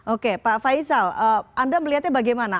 oke pak faisal anda melihatnya bagaimana